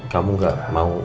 kamu gak mau